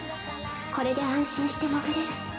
これで安心して潜れる